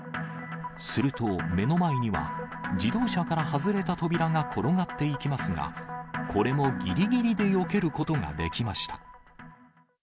すると目の前には、自動車から外れた扉が転がっていきますが、これもぎりぎりでよけることができました。